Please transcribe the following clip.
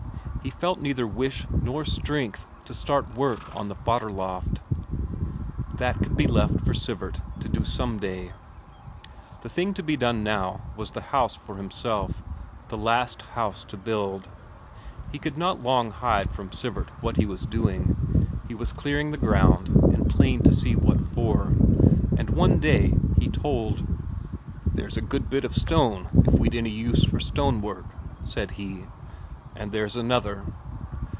He felt neither wish nor strength to start work on the fodder loft that could be left for Sivert to do some day. The thing to be done now was the house for himself the last house to build. He could not long hide from Sivert what he was doing; he was clearing the ground, and plain to see what for. And one day he told. "There's a good bit of stone if we'd any use for stonework," said he. "And there's another."